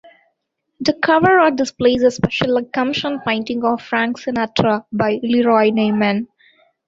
The cover art displays a specially commissioned painting of Frank Sinatra by LeRoy Neiman.